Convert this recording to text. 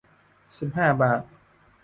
สิบห้าบาท